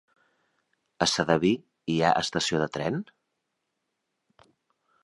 A Sedaví hi ha estació de tren?